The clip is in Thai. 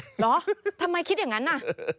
เหรอทำไมคิดอย่างนั้นน่ะ